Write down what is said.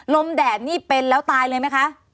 แดดนี่เป็นแล้วตายเลยไหมคะ